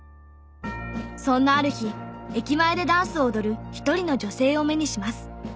そんなある日駅前でダンスを踊る１人の女性を目にします。